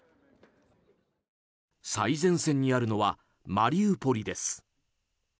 最前線にあるのはマリウポリです。